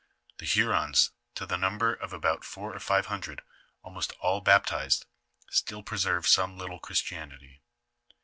The Hurons to the number of about four or five hundred, almost all baptized, still preserve some little Christianity.